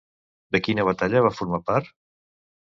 De quina batalla va formar part?